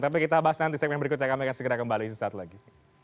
tapi kita bahas nanti segmen berikutnya kami akan segera kembali sesaat lagi